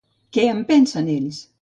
Què en pensen ells?